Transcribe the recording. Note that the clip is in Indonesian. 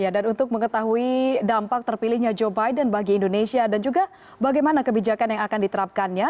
dan untuk mengetahui dampak terpilihnya joe biden bagi indonesia dan juga bagaimana kebijakan yang akan diterapkannya